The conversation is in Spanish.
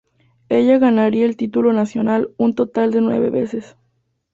Ella ganaría el título nacional un total de nueve veces.